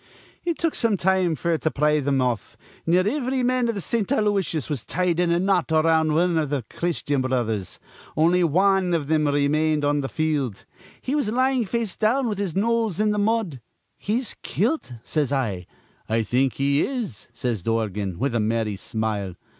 "It took some time f'r to pry thim off. Near ivry man iv th' Saint Aloysiuses was tied in a knot around wan iv th' Christyan Brothers. On'y wan iv thim remained on th' field. He was lyin' face down, with his nose in th' mud. 'He's kilt,' says I. 'I think he is,' says Dorgan, with a merry smile.